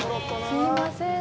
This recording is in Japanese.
すいません。